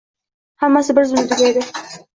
Hammasi bir zumda tugadi